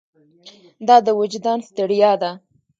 دا د وجدان ستړیا ده.